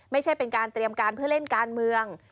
ไม่ใช่เป็นการเตรียมการเพื่อเล่นการเมือง